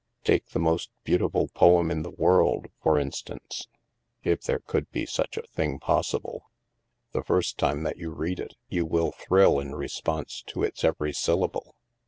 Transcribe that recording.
Take the most beautiful poem in the world, for instance — if there could be such a thing possible. The first time that you read it, you will thrill in response to its every syllable.